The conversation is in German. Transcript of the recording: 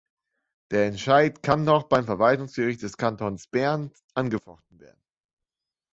Der Entscheid kann noch beim Verwaltungsgericht des Kantons Bern angefochten werden.